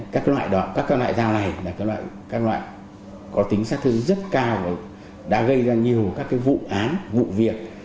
các loại dao này là các loại có tính sắc thương rất cao và đã gây ra nhiều các vụ án vụ việc